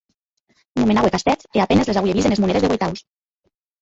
Nomenaue castèths e a penes les auie vist enes monedes de ueitaus.